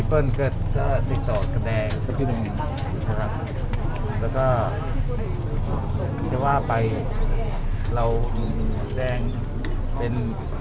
เห้นเกิดก็ติดต่อกันแนนแล้วก็ว่าไปเราแน่งเป็น